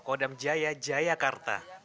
kodam jaya jayakarta